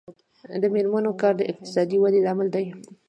د میرمنو کار د اقتصادي ودې لامل دی.